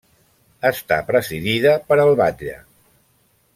Està presidida per l'Alcalde.